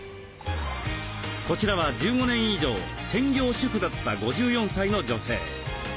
こちらは１５年以上専業主婦だった５４歳の女性。